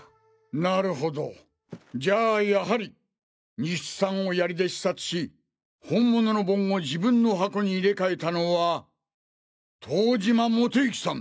なるほどじゃあやはり西津さんを槍で刺殺し本物の盆を自分の箱に入れかえたのは遠島基行さん。